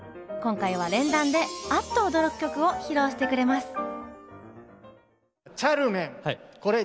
今回は連弾であっと驚く曲を披露してくれます。